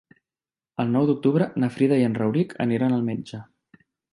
El nou d'octubre na Frida i en Rauric aniran al metge.